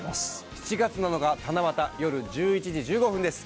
７月７日七夕よる１１時１５分です。